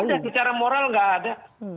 tidak ada secara moral tidak ada